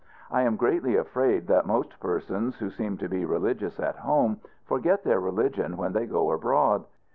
I am greatly afraid that most persons who seem to be religious at home, forget their religion when they go abroad.